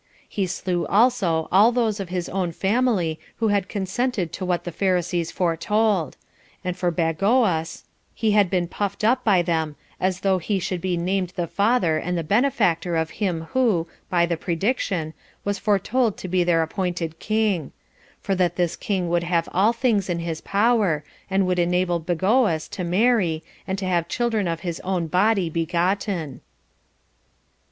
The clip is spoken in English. He slew also all those of his own family who had consented to what the Pharisees foretold; and for Bagoas, he had been puffed up by them, as though he should be named the father and the benefactor of him who, by the prediction, was foretold to be their appointed king; for that this king would have all things in his power, and would enable Bagoas to marry, and to have children of his own body begotten.